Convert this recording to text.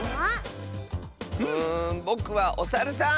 うんぼくはおサルさん！